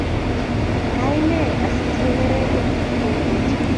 kaine asitinye neregik kunoto?